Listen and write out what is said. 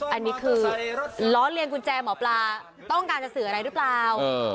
อันนี้คือล้อเลียนกุญแจหมอปลาต้องการจะสื่ออะไรหรือเปล่า